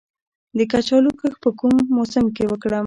د کچالو کښت په کوم موسم کې وکړم؟